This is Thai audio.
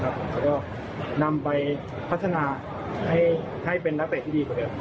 แล้วก็นำไปพัฒนาให้เป็นนักเตะที่ดีกว่าเดิม